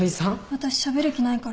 私しゃべる気ないから。